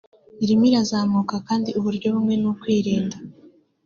Irimo irazamuka kandi uburyo bumwe ni ukwirinda